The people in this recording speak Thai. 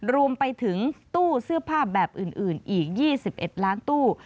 รวมไปถึงตู้เสื้อผ้าแบบอื่นอีก๒๑ล้านตู้